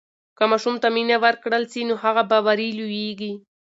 که ماشوم ته مینه ورکړل سي نو هغه باوري لویېږي.